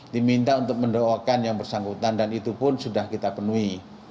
diminta untuk mendoakan yang bersangkutan dan itu pun sudah kita penuhi